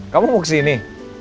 kamu mau kesini